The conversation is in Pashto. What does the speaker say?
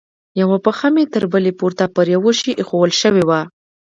يوه پښه مې تر بلې پورته پر يوه شي ايښوول سوې وه.